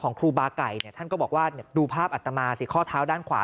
ครูบาไก่เนี่ยท่านก็บอกว่าดูภาพอัตมาสิข้อเท้าด้านขวา